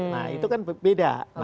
nah itu kan beda